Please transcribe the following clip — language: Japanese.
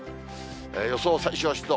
予想最小湿度。